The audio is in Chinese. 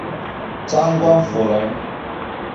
张光辅人。